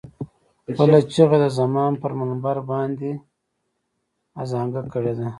خپله چيغه د زمان پر منبر باندې اذانګه کړې ده.